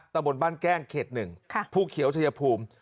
ตะบนบั้นแกล้งเฮก๑ผู้เขียวทะเยพูม